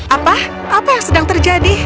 apa apa yang sedang terjadi